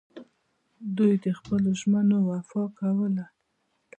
دوی د خپلو ژمنو وفا کوله